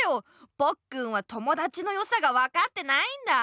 ポッくんは友だちのよさがわかってないんだ。